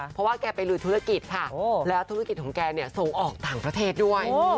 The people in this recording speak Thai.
เพราะว่าแกไปลุยธุรกิจค่ะแล้วธุรกิจของแกเนี่ยส่งออกต่างประเทศด้วย